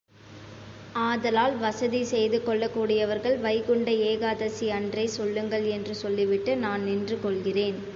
ஆதலால் வசதி செய்து கொள்ளக் கூடியவர்கள் வைகுண்ட ஏகாதசி அன்றே செல்லுங்கள் என்று சொல்லிவிட்டு நான் நின்று கொள்கிறேன்.